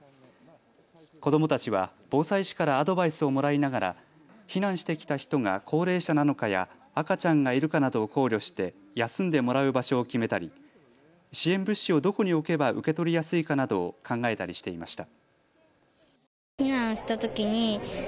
子どもたちは防災士からアドバイスをもらいながら避難してきた人が高齢者なのかや赤ちゃんがいるかなどを考慮して休んでもらう場所を決めたり、支援物資をどこに置けば受け取りやすいかなどを考えたりしていました。